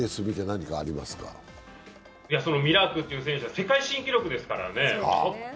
ミラークという選手は世界新記録ですからね。